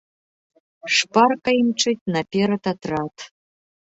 Шпарка імчыць наперад атрад.